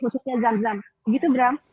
khususnya zam zam begitu bram